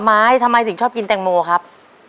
ทำไมถึงชอบกินแตงโมครับ